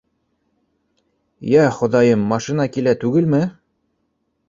Йә, Хоҙайым, машина килә түгелме!